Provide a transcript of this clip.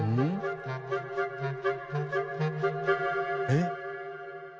えっ？